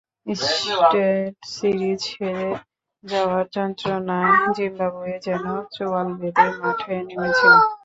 Test series হেরে যাওয়ার যন্ত্রণায় জিম্বাবুয়ে যেন চোঁয়াল বেঁধে মাঠে নেমেছিল।